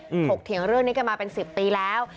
ถกเถียงเรื่องนี้กันมาเป็นสิบปีแล้ว